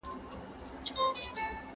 ¬ ميږي ته چي خداى په قهر سي، وزرونه ورکي.